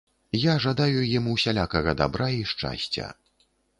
Я жадаю ім усялякага дабра і шчасця.